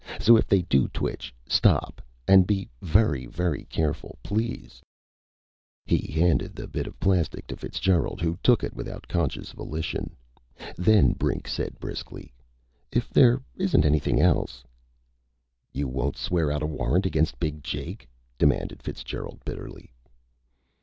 So if they do twitch, stop and be very, very careful. Please!" He handed the bit of plastic to Fitzgerald, who took it without conscious volition. Then Brink said briskly: "If there isn't anything else " "You won't swear out a warrant against Big Jake?" demanded Fitzgerald bitterly.